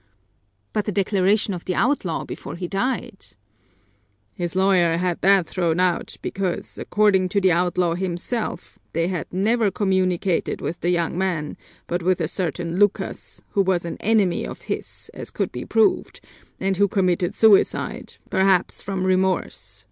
"But the declaration of the outlaw before he died?" "His lawyer had that thrown out because, according to the outlaw himself, they had never communicated with the young man, but with a certain Lucas, who was an enemy of his, as could be proved, and who committed suicide, perhaps from remorse.